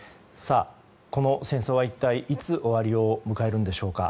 この戦争は一体いつ終わりを迎えるんでしょうか。